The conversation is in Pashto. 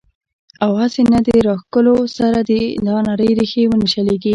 او هسې نه د راښکلو سره دا نرۍ ريښې ونۀ شليږي